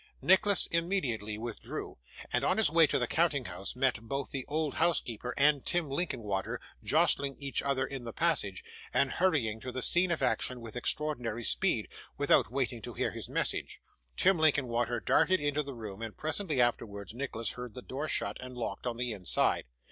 Nicholas immediately withdrew and, on his way to the counting house, met both the old housekeeper and Tim Linkinwater, jostling each other in the passage, and hurrying to the scene of action with extraordinary speed. Without waiting to hear his message, Tim Linkinwater darted into the room, and presently afterwards Nicholas heard the door shut and locked on the inside.